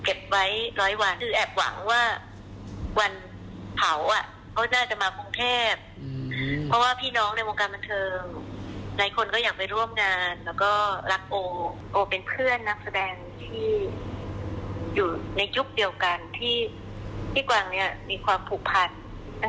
โอวเป็นเพื่อนนักแสดงที่อยู่ในยุคเดียวกันที่กว่านี้มีความผูกพัน